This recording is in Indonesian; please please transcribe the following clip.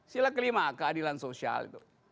sila kelima keadilan sosial